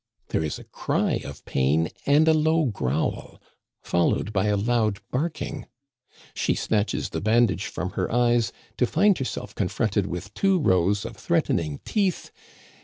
There is a cry of pain and a low growl, followed by a loud barking. She snatches the bandage from her eyes, to find herself con fronted with two rows of threatening teeth.